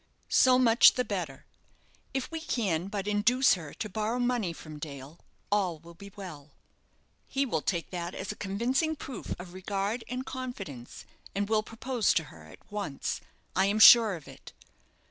"So much the better! If we can but induce her to borrow money from Dale, all will be well; he will take that as a convincing proof of regard and confidence, and will propose to her at once. I am sure of it.